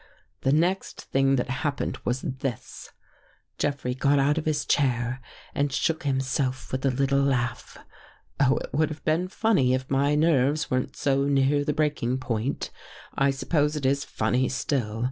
The next thing that happened was this :" Jeffrey got out of his chair and shook himself with a little laugh. " Oh, it would have been funny, if my nerves weren't so near the breaking point. I suppose it i6o THROUGH THE GRILLE is funny still.